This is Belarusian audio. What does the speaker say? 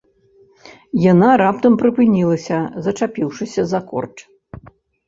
Яна раптам прыпынілася, зачапіўшыся за корч.